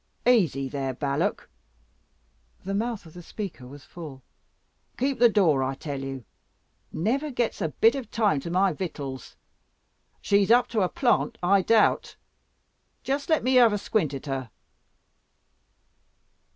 "Easy there, Balak" the mouth of the speaker was full "keep the door, I tell you. Never gets a bit of time to my victuals. She's up to a plant, I doubt. Just let me have a squint at her."